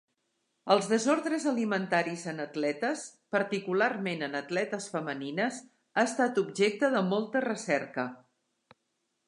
Els desordres alimentaris en atletes, particularment en atletes femenines, ha estat objecte de molta recerca.